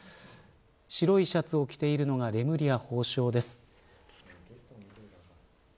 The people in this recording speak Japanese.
白いシャツを着ているのがレムリヤ法相です。